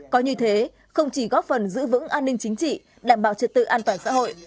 có như thế không chỉ góp phần giữ vững an ninh chính trị đảm bảo trật tự an toàn xã hội